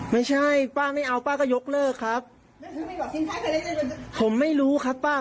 ไม่ใช่ป้าไม่เอาป้าก็ยกเลิกครับ